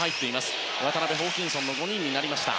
そして渡邊、ホーキンソンの５人になりました。